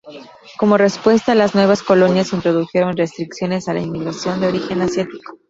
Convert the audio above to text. Como respuesta, las nuevas colonias introdujeron restricciones a la inmigración de origen asiático.